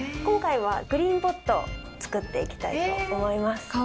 今回はグリーンポットを作っていきたいと思います。